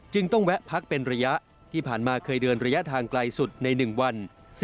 ต้องแวะพักเป็นระยะที่ผ่านมาเคยเดินระยะทางไกลสุดใน๑วัน